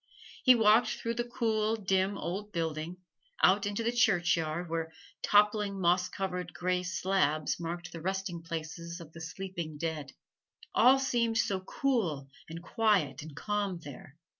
He walked through the cool, dim, old building, out into the churchyard, where toppling moss covered gray slabs marked the resting places of the sleeping dead. All seemed so cool and quiet and calm there!